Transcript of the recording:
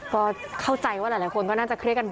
ก็เข้าใจว่าหลายคนก็น่าจะเครียดกัน